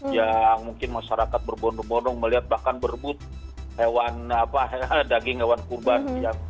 ya mungkin masyarakat berbonong bonong melihat bahkan berebut hewan daging hewan kurban